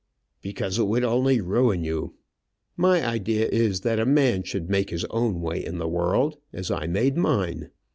"Because it would only ruin you. My idea is that a man should make his own way in the world as I made mine.